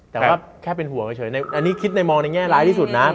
แต่ว่าแค่เป็นห่วงเฉยอันนี้คิดในมองในแง่ร้ายที่สุดนะ